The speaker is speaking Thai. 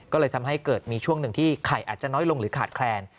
ก็เลยทำให้เกิดมีช่วงหนึ่งที่ไข่อาจจะน้อยลงหรือขาดแคลน